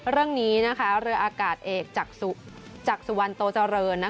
เรืออากาศเอกจากสุวรรณโตเจริญ